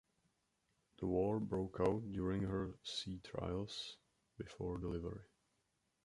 The war broke out during her sea trials before delivery.